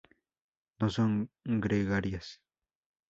No son gregarias.